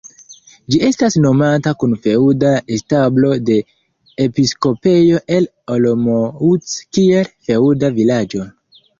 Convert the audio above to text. Ĝi estas nomata kun feŭda establo de episkopejo el Olomouc kiel feŭda vilaĝo.